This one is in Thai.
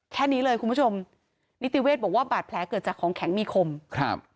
แค่นี้เลยคุณผู้ชมนิติเวชบอกว่าบาดแผลเกิดจากของแข็งมีคมครับ